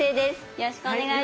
よろしくお願いします。